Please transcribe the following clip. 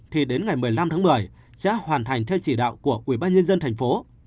thì đến ngày một mươi năm tháng một mươi sẽ hoàn thành theo chỉ đạo của quỹ ba nhân dân tp